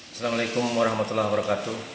assalamualaikum wr wb